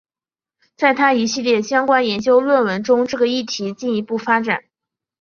在他一系列相关研究论文中这个议题进一步发展。